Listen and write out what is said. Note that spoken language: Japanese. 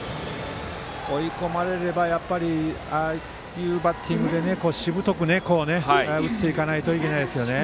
追い込まれればああいうバッティングでしぶとく打っていかないといけないですね。